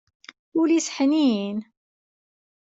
Ul-is ḥnin.